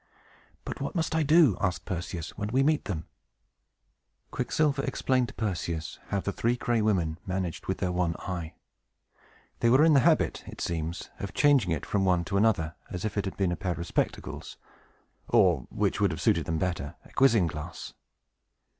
"But what must I do," asked Perseus, "when we meet them?" Quicksilver explained to Perseus how the Three Gray Women managed with their one eye. They were in the habit, it seems, of changing it from one to another, as if it had been a pair of spectacles, or which would have suited them better a quizzing glass.